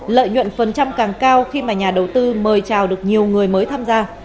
lợi nhuận phần trăm càng cao khi mà nhà đầu tư mời trào được nhiều người mới tham gia